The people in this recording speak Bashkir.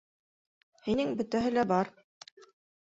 Һинең бөтәһе лә бар.